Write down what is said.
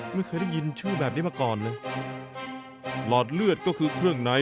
ไม่เคยได้ยินชื่อแบบนี้มาก่อนเลยหลอดเลือดก็คือเครื่องใน